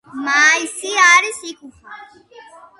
მაისი არის ,იქუხა.